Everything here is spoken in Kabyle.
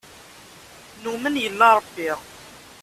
Numen yella Ṛebbi.